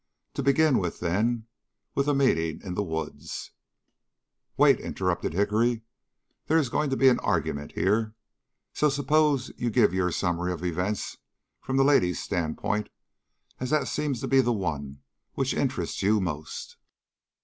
To begin, then, with the meeting in the woods " "Wait," interrupted Hickory; "there is going to be an argument here; so suppose you give your summary of events from the lady's standpoint, as that seems to be the one which interests you most."